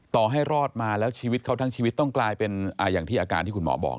ต่อให้รอดมาแล้วชีวิตเขาทั้งชีวิตต้องกลายเป็นอย่างที่อาการที่คุณหมอบอก